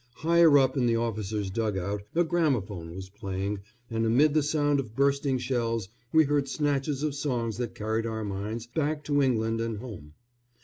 Higher up in the officers' dug out a gramophone was playing, and amid the sound of bursting shells we heard snatches of songs that carried our minds back to England and home.